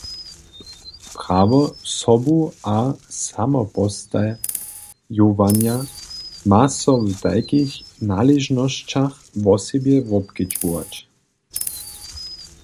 Prawo sobu- a samopostajowanja ma so w tajkich naležnosćach wosebje wobkedźbować.